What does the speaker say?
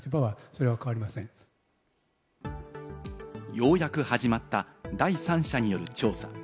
ようやく始まった第三者による調査。